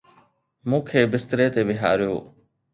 مون کي بستري تي ويهاريو